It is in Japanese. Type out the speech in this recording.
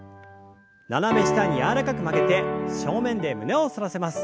斜め下に柔らかく曲げて正面で胸を反らせます。